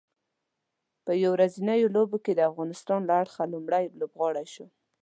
په یو ورځنیو لوبو کې د افغانستان له اړخه لومړی لوبغاړی شو